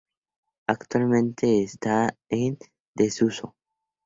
Actualmente está en desuso.